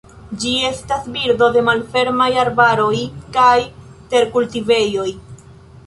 Ĝi estas birdo de malfermaj arbaroj kaj terkultivejoj.